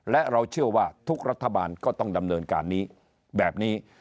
และเราเชื่อว่าทุกรัฐบาลก็ต้องดำเนินการนี้แบบนี้